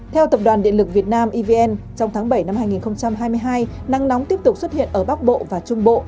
theo tập đoàn điện lực việt nam evn trong tháng bảy năm hai nghìn hai mươi hai nắng nóng tiếp tục xuất hiện ở bắc bộ và trung bộ